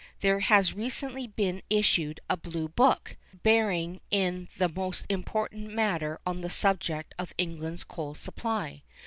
There has recently been issued a Blue Book, bearing in the most important manner on the subject of England's coal supply.